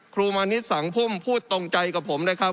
มานิดสังพุ่มพูดตรงใจกับผมเลยครับ